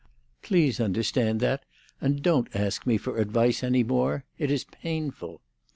Please understand that, and don't ask me for advice any more. It is painful."